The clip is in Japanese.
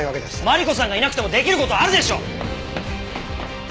マリコさんがいなくても出来る事あるでしょ！